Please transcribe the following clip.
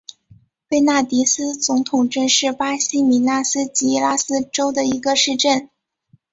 贝纳迪斯总统镇是巴西米纳斯吉拉斯州的一个市镇。